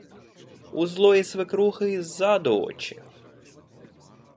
у злої свекрухи і ззаду очі